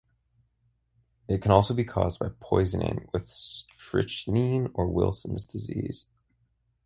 It can also be caused by poisoning with strychnine or Wilson's disease.